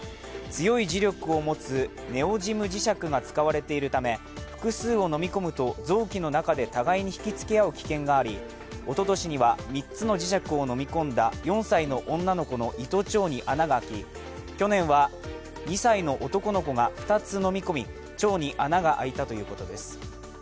強い磁力を持つネオジム磁石が使われているため複数を飲み込むと臓器の中で互いに引きつけ合う危険がありおととしには３つの磁石を飲み込んだ４歳の女の子の胃と腸に穴が開き、去年は２歳の男の子が２つ飲み込み腸に穴が開いたということです。